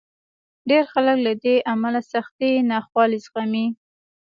ډېر خلک له دې امله سختې ناخوالې زغمي.